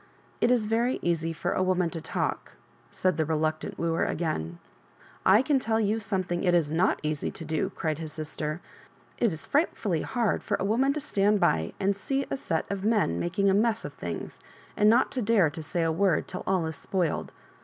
" It is very easy for a woman to talk," said the reluctant wooer again. I can tell you something it is not easy to do," cried his sister. It is frightfully hard for a woman to stand by and see a set of men making a mess of things, and not to dare to say a word till all is spoiled.